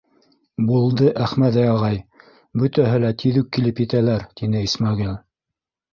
— Булды, Әхмәҙи ағай, бөтәһе лә тиҙ үк килеп етәләр, — тине Исмәғил.